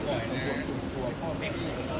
โปรดติดตามตอนต่อไป